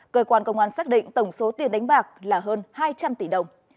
cơ quan công an xác định tổng số tiền đánh bạc là hơn hai trăm linh tỷ đồng